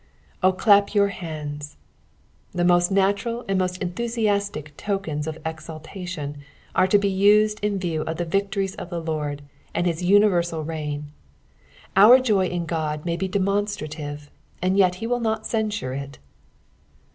1. "0 dap your hands." The taost natiirHl and most unthusiBxtic tokene of exultation are to be used in view of the victories of the Lord, and his uoirerBal reign. Our joy in God may be demonstrative, and yethe will not censure it.